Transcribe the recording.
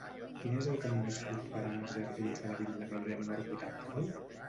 Quin és el camí més curt per anar als jardins de la Vil·la Amèlia número vuitanta-nou?